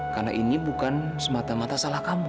karena ini bukan semata mata salah kamu